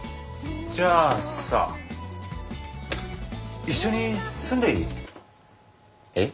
じゃあさ一緒に住んでいい？え？